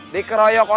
dikeroyok ke rumah